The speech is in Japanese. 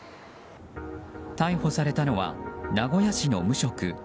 逮捕されたのは名古屋市の無職